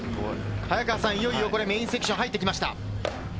いよいよこれ、メインセクション入ってきました。